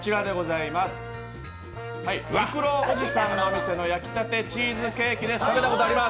りくろーおじさんの店の焼きたてチーズケーキです。